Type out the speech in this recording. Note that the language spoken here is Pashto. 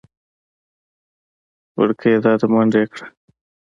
وېړکيه دا ده منډه يې کړه .